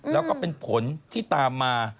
แล้วก็เป็นผลที่ตามมา